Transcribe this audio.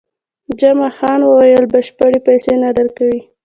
جمعه خان وویل، بشپړې پیسې نه درکوي.